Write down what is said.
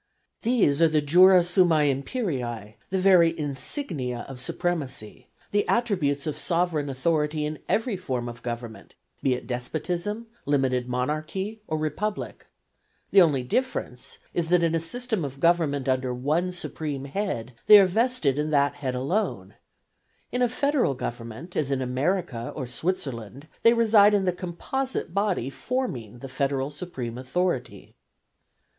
These are the jura summi imperii, the very insignia of supremacy; the attributes of sovereign authority in every form of government, be it despotism, limited monarchy, or republic; the only difference is that in a system of government under one supreme head, they are vested in that head alone, in a federal government, as in America or Switzerland, they reside in the composite body forming the federal supreme authority.